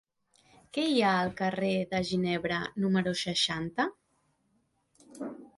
Què hi ha al carrer de Ginebra número seixanta?